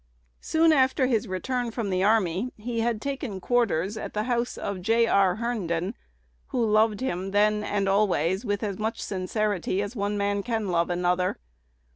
Soon after his return from the army, he had taken quarters at the house of J. R. Herndon, who loved him then, and always, with as much sincerity as one man can love another.